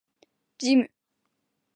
ジム